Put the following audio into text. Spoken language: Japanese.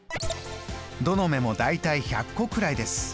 どの目も大体１００個くらいです。